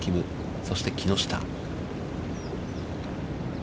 そして木下。